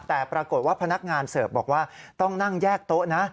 แต่ปรากฏว่าพนักงานเสิร์ฟบอกว่าต้องนั่งแยกโต๊ะนะ